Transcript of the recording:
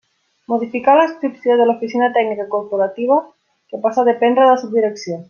Modificar l'adscripció de l'Oficina Tècnica Corporativa, que passa a dependre de la Subdirecció.